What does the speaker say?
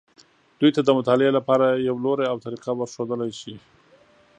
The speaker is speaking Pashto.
دوی ته د مطالعې لپاره یو لوری او طریقه ورښودلی شي.